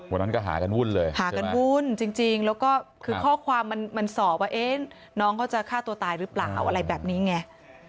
วันนั้นก็หากันวุ่นเลยหากันวุ่นจริงแล้วก็คือข้อความมันสอบว่าน้องเขาจะฆ่าตัวตายหรือเปล่าอะไรแบบนี้ไง